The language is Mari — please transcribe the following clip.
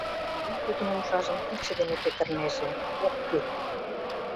Олю тудын умшажым кидше дене петырынеже: «Ок кӱл.